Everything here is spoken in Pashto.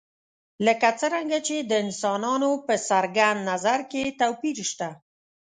لکه څرنګه چې د انسانانو په څرګند نظر کې توپیر شته.